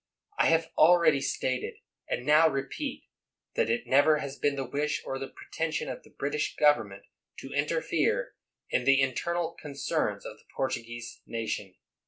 I have already stated, and now repeat, that it never has been the wish or the pretension of the British government to interfere in the in ternal concerns of the Portuguese nation.